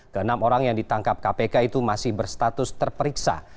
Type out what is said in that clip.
ke enam orang yang ditangkap kpk itu masih berstatus terperiksa